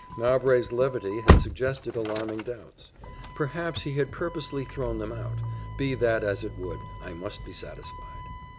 Mowbray's levity had suggested alarming doubts: perhaps he had purposely thrown them out; be that as it would, I must be satisfied.